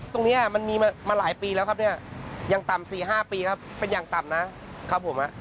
ตรงนี้มันมีมาหลายปีแล้วครับเนี่ยอย่างต่ำ๔๕ปีครับเป็นอย่างต่ำนะครับผม